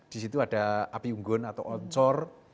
disitu ada api unggun atau oncor